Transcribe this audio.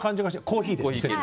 コーヒーで。